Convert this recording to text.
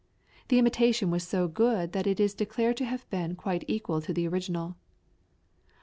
The imitation was so good that it is declared to have been quite equal to the original. Dr.